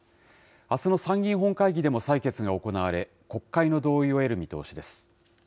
あすの参議院本会議でも採決が行われ、国会の同意を得る見通しです。